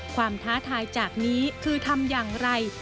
ท้าทายจากนี้คือทำอย่างไร